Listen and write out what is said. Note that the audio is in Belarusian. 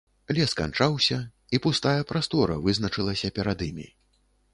Лес канчаўся, і пустая прастора вызначылася перад імі.